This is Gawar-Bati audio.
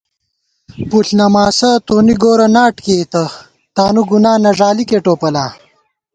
پُݪ نماسہ تونی گورہ ناٹ کېئیتہ تانُو گُنا نہ ݫالِکے ٹوپلا